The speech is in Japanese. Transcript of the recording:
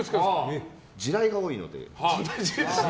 地雷が多いので。